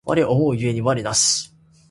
我思う故に我なし